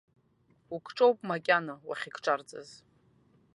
Укҿоуп макьана уахьыкҿарҵаз.